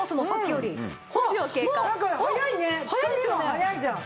速いじゃん。